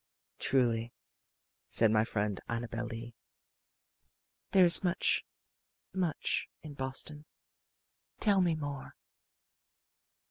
"Truly," said my friend Annabel Lee, "there is much, much, in Boston. Tell me more."